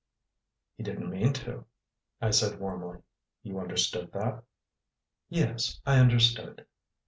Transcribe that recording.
"He didn't mean to," I said warmly. "You understood that?" "Yes, I understood."